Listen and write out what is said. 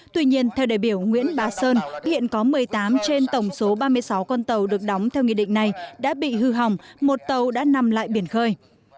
tuy nhiên theo đại biểu nguyễn bá sơn hiện có một mươi tám trên tổng số ba mươi sáu con tàu được đóng theo nghị định này đã bị hư hỏng một tàu đã nằm lại biển khơi